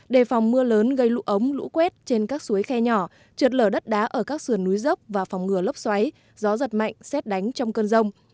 đề phòng mưa lớn gây lũ ống lũ quét trên các suối khe nhỏ trượt lở đất đá ở các sườn núi dốc và phòng ngừa lốc xoáy gió giật mạnh xét đánh trong cơn rông